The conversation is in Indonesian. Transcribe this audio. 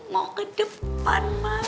mau ke depan mak